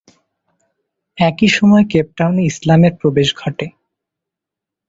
একই সময়ে কেপ টাউনে ইসলামের প্রবেশ ঘটে।